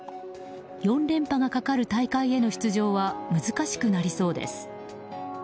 ４連覇がかかる大会への出場は難しくなりそうです。